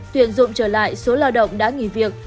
tuyển dụng trở lại số lao động đã nghỉ việc